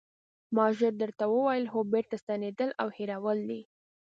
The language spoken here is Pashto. ما ژر درته وویل: هو بېرته ستنېدل او هېرول دي.